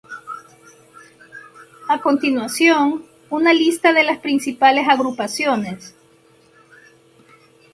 A continuación una lista de las principales agrupaciones.